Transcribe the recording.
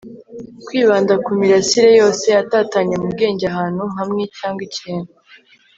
kwibanda ku mirasire yose yatatanye mu bwenge ahantu hamwe cyangwa ikintu